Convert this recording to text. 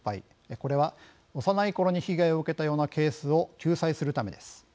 これは幼いころに被害を受けたようなケースを救済するためです。